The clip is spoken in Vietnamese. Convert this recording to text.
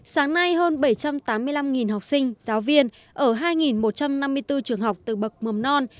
sáng nay hơn bảy trăm tám mươi năm học sinh giáo viên ở hai một trăm năm mươi bốn trường học từ bậc mầm non